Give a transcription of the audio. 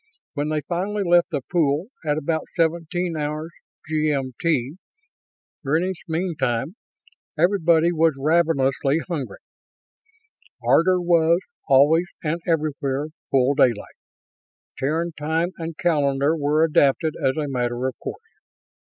When they finally left the pool, at about seventeen hours G.M.T., everybody was ravenously hungry. Greenwich Mean Time. Ardvor was, always and everywhere, full daylight. Terran time and calendar were adapted as a matter of course.